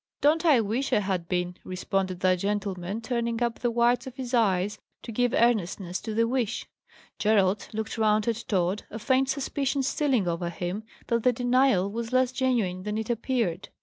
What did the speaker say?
"Don't I wish I had been!" responded that gentleman, turning up the whites of his eyes to give earnestness to the wish. Gerald looked round at Tod, a faint suspicion stealing over him that the denial was less genuine than it appeared.